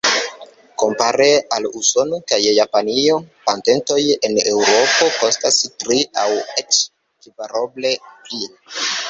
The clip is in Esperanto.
Kompare al Usono kaj Japanio, patentoj en Eŭropo kostas tri aŭ eĉ kvaroble pli.